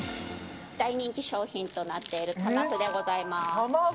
大人気商品となっているたま麩でございます。